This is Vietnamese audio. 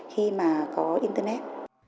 khi mà có internet